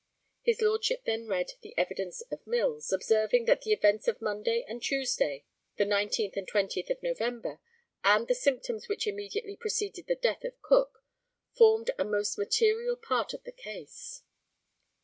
[His Lordship then read the evidence of Mills, observing that the events of Monday and Tuesday, the 19th and 20th of November, and the symptoms which immediately preceded the death of Cook, formed a most material part of the case.